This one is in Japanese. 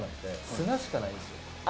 砂しかないんですよ。